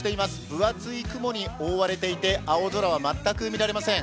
分厚い雲に覆われていて、青空は全く見られません。